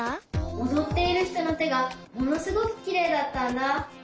おどっているひとのてがものすごくきれいだったんだ。